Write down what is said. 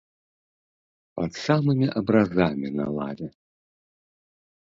Пад самымі абразамі на лаве.